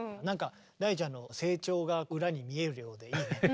大ちゃんの成長が裏に見えるようでいいね。